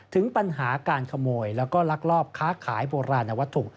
ถึงปัญหาการขโมยแล้วก็ลักลอบค้าขายโบราณวัตถุ